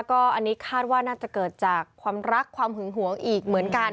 ก็อันนี้คาดว่าน่าจะเกิดจากความรักความหึงหวงอีกเหมือนกัน